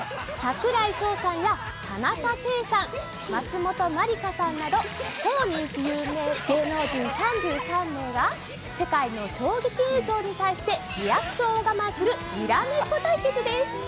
櫻井翔さんや田中圭さん、松本まりかさんなど、超人気芸能人３３名が世界の衝撃映像に対してリアクションを我慢するにらめっこ対決です。